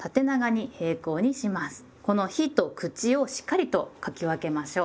この「日」と「口」をしっかりと書き分けましょう。